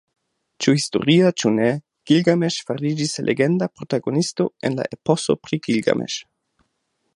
Ĉu historia, ĉu ne, Gilgameŝ fariĝis legenda protagonisto en la "Eposo pri Gilgameŝ".